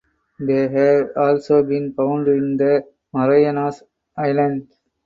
They have also been found in the Marianas Islands.